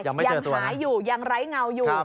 ยังหาอยู่ยังไร้เงาอยู่